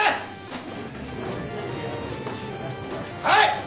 はい！